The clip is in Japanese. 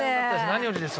何よりです。